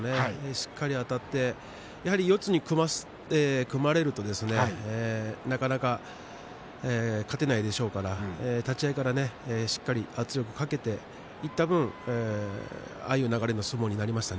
しっかり、あたって四つに組まれるとなかなか勝てないでしょうから立ち合いからね、しっかりと圧力をかけていった分ああいう流れの相撲になりました。